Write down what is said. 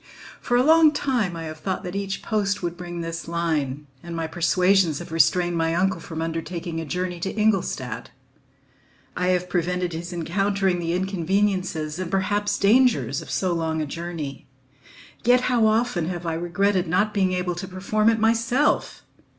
For a long time I have thought that each post would bring this line, and my persuasions have restrained my uncle from undertaking a journey to Ingolstadt. I have prevented his encountering the inconveniences and perhaps dangers of so long a journey, yet how often have I regretted not being able to perform it myself!